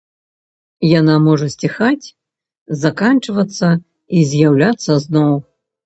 Яна можа сціхаць, заканчвацца і з'яўляцца зноў.